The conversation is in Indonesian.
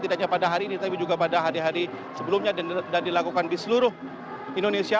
tidak hanya pada hari ini tapi juga pada hari hari sebelumnya dan dilakukan di seluruh indonesia